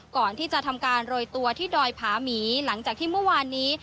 ก่อนที่จะทำการโรยตัวที่ดอยผาหมีหลังจากที่เมื่อวานนี้